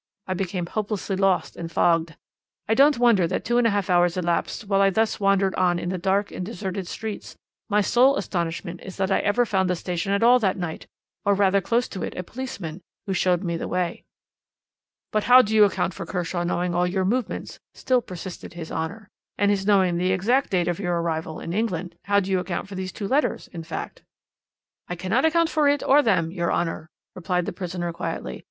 I became hopelessly lost and fogged. I don't wonder that two and a half hours elapsed while I thus wandered on in the dark and deserted streets; my sole astonishment is that I ever found the station at all that night, or rather close to it a policeman, who showed me the way.' "'But how do you account for Kershaw knowing all your movements?' still persisted his Honour, 'and his knowing the exact date of your arrival in England? How do you account for these two letters, in fact?' "'I cannot account for it or them, your Honour,' replied the prisoner quietly.